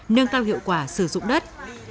nâng cao hiệu quả sử dụng đất